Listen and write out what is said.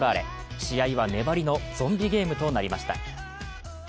試合は粘りのゾンビゲームとなりました。